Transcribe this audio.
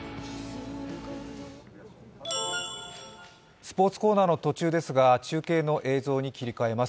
スポーツコーナーの途中ですが中継の映像に切り替えます。